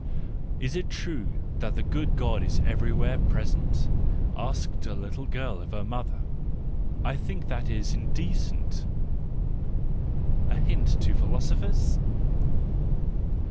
" Is it true that the good God is everywhere present ?" asked a little girl of her mother: " I think that is indecent " :—a hint to philosophers!